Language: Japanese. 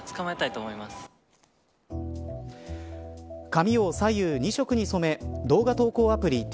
髪を左右２色に染め動画投稿アプリ